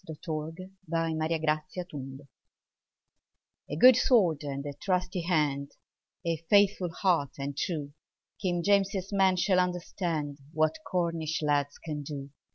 "Trelawny"[edit] A good sword and a trusty hand! A merry heart and true! King James's men shall understand What Cornish lads can do!